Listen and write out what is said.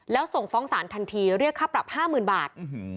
แล้วส่งฟ้องศาลทันทีเรียกค่าปรับ๕๐๐๐บาท